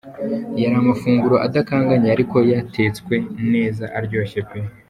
Yari amafunguro adakanganye ariko yatsetswe neza aryoshye pe.